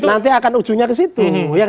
nanti akan ujungnya ke situ